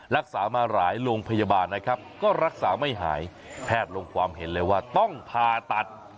รักษามาหลายโรงพยาบาลนะครับก็รักษาไม่หายแพทย์ลงความเห็นเลยว่าต้องผ่าตัด